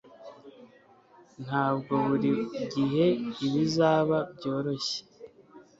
ntabwo buri gihe bizaba byoroshye